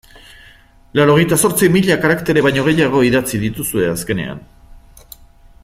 Laurogeita zortzi mila karaktere baino gehiago idatzi dituzue azkenean.